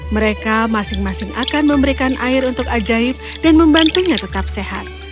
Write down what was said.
mereka masing masing akan memberikan air untuk ajaib dan membantunya tetap sehat